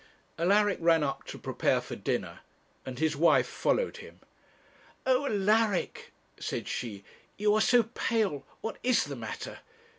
Alaric ran up to prepare for dinner, and his wife followed him. 'Oh! Alaric,' said she, 'you are so pale: what is the matter?